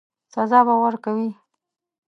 سزا به ورکوي.